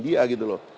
dia ingin dia gitu loh